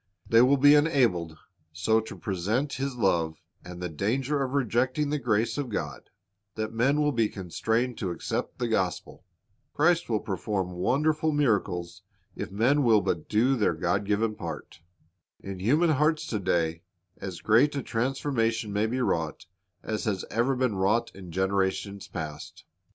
They will be enabled so to present His love and the danger of rejecting the grace of God, that men will be constrained to accept the gospel. Christ will perform wonderful miracles if men will but do their God given part. In human hearts to day as great a transformation may be wrought as has ever been wrought in generations past.